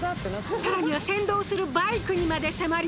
さらには先導するバイクにまで迫り。